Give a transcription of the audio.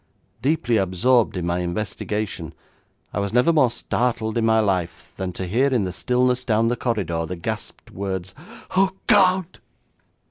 Deeply absorbed in my investigation, I was never more startled in my life than to hear in the stillness down the corridor the gasped words, '_Oh, God!